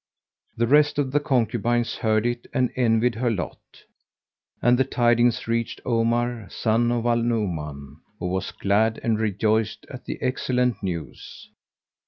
[FN#148] The rest of the concubines heard it and envied her lot; and the tidings reached Omar son of Al Nu'uman, who was glad and rejoiced at the excellent news.